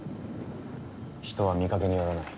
人は見かけによらない。